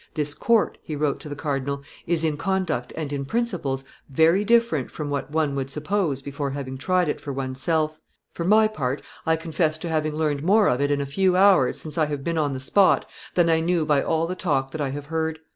"This court," he wrote to the cardinal, "is, in conduct and in principles, very different from what one would suppose before having tried it for one's self; for my part, I confess to having learned more of it in a few hours, since I have been on the spot, than I knew by all the talk that I have heard.